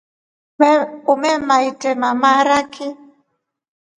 Umema endema maharaki.